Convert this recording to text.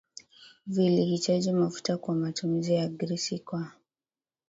vilihitaji mafuta kwa matumizi ya grisi kwa